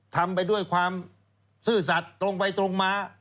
ทำไปด้วยความซื่อสัตว์ตรงไปตรงมา